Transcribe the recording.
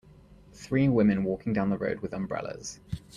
Three women walking down the road with umbrellas.